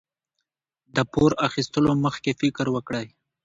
د پور اخیستلو مخکې فکر وکړئ.